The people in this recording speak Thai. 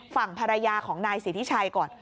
ฝั่งภรรยาของนายสิทธิชัยก่อน